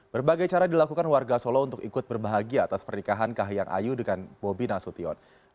berbagai cara dilakukan warga solo untuk ikut berbahagia atas pernikahan kahiyang ayu dengan bobi nasution